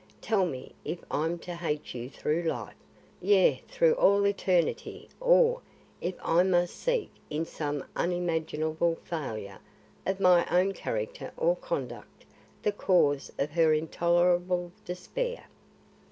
Tell me if I'm to hate you through life yea through all eternity or if I must seek in some unimaginable failure of my own character or conduct the cause of her intolerable despair."